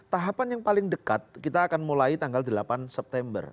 tahapan yang paling dekat kita akan mulai tanggal delapan september